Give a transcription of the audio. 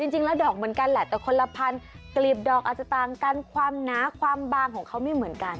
จริงแล้วดอกเหมือนกันแหละแต่คนละพันกลีบดอกอาจจะต่างกันความหนาความบางของเขาไม่เหมือนกัน